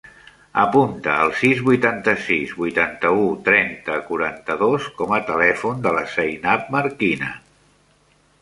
Apunta el sis, vuitanta-sis, vuitanta-u, trenta, quaranta-dos com a telèfon de la Zainab Marquina.